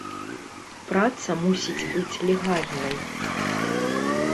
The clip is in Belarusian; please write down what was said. Праца мусіць быць легальнай.